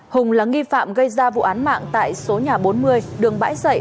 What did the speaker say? hùng là nghi phạm gây ra vụ án mạng tại số nhà bốn mươi đường bãi dậy